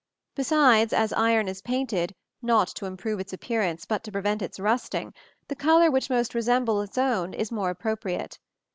Besides, as iron is painted, not to improve its appearance, but to prevent its rusting, the color which most resembles its own is more appropriate.